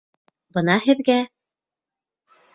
Бына һеҙгә!